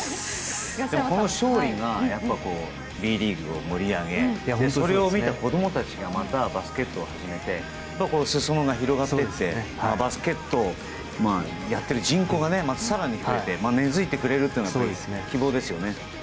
でも、この勝利がＢリーグを盛り上げそれを見た子供たちがまたバスケットを始めて裾野が広がっていってバスケットをやっている人口がまた更に増えて根付いてくれることが希望ですよね。